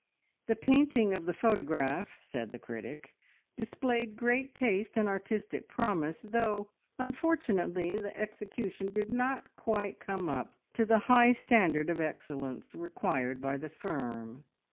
The painting of the photograph, said the critic, displayed great taste and artistic promise, though unfortunately the execution did not quite come up to the high standard of excellence required by the firm.